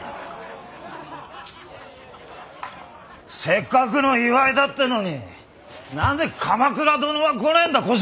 せっかくの祝いだってのに何で鎌倉殿は来ねえんだ小四郎。